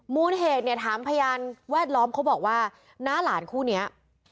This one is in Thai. มูลเหตุเนี่ยถามพยานแวดล้อมเขาบอกว่าน้าหลานคู่นี้